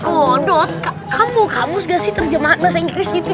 oh dok kamu hamus gak sih terjemahan bahasa inggris gitu